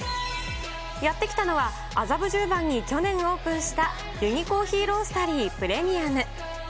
やって来たのは、麻布十番に去年オープンしたユニ・コーヒー・ロースタリー・プレミアム。